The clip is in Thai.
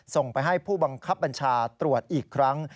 ส่งไปให้ผู้บังคับบัญชาตรวจอีกครั้ง